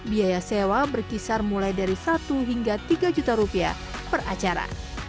biaya sewa berkisar mulai dari satu hingga tiga juta rupiah per acara